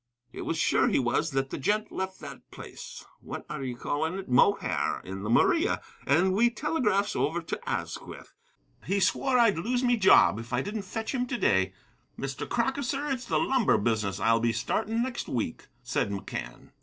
It was sure he was that the gent left that place, what are ye calling it? Mohair, in the Maria, and we telegraphs over to Asquith. He swore I'd lose me job if I didn't fetch him to day. Mr. Crocker, sir, it's the lumber business I'll be startin' next week," said McCann.